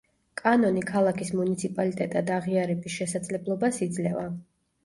კანონი ქალაქის მუნიციპალიტეტად აღიარების შესაძლებლობას იძლევა.